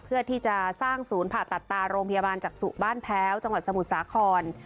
เพื่อที่จะสร้างศูนย์ผ่าตัดตาโรงพยาบาลจักษุบ้านแพ้วจังหวัดสมุทรสาคร